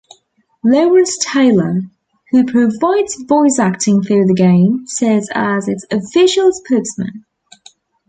Lawrence Taylor, who provides voice acting for the game, serves as its official spokesman.